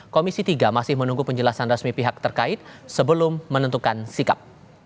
komisi tiga masih menunggu penjelasan resmi pihak terkait sebelum menentukan sikap